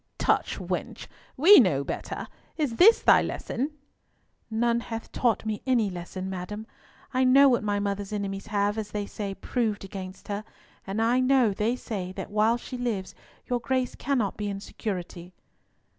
"Tush, wench! we know better. Is this thy lesson?" "None hath taught me any lesson, madam. I know what my mother's enemies have, as they say, proved against her, and I know they say that while she lives your Grace cannot be in security."